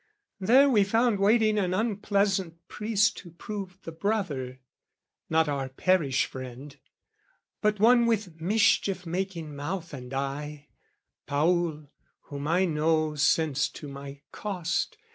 There we found waiting an unpleasant priest Who proved the brother, not our parish friend, But one with mischief making mouth and eye, Paul, whom I know since to my cost.